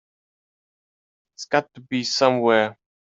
It's got to be somewhere.